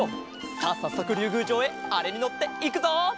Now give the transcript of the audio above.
さあさっそくりゅうぐうじょうへあれにのっていくぞ！